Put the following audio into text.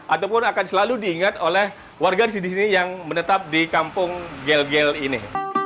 ataupun akan selalu diingat oleh warga di sini yang menetap di kampung gel gel ini